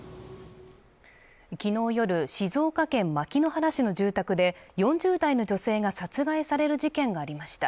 昨日夜静岡県牧之原市の住宅で４０代の女性が殺害される事件がありました